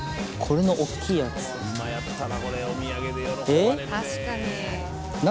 えっ？